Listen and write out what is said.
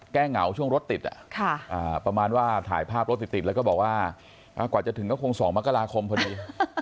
เหงาช่วงรถติดประมาณว่าถ่ายภาพรถติดแล้วก็บอกว่ากว่าจะถึงก็คง๒มกราคมพอดี